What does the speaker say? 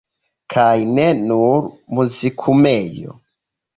Kaj ne nur Muzikumejo!